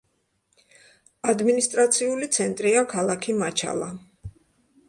ადმინისტრაციული ცენტრია ქალაქი მაჩალა.